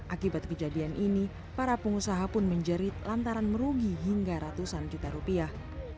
akibat kejadian ini para pengusaha pun menjerit lantaran merugi hingga ratusan juta rupiah